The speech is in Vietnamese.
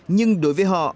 nhưng đối với họ